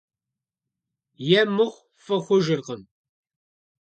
Е мыхъу фӀы хъужыркъым.